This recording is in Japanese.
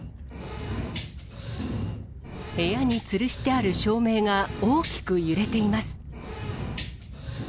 部屋につるしてある照明が大きく揺れています。